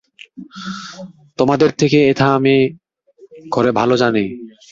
তোমাদের থেকে এটা আমি করে ভালো জানি।